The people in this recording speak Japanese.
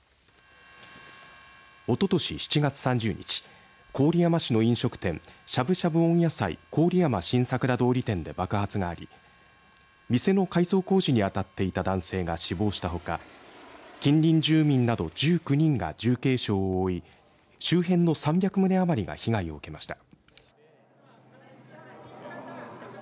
おととし７月３０日郡山市の飲食店しゃぶしゃぶ温野菜郡山新さくら通り店で爆発があり、店の改装工事に当たっていた男性が死亡したほか近隣住民など１９人が重軽傷を負い周辺の３００棟余りが被害を受けました。